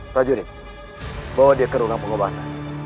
prajurit bawa dia ke ruang pengobatan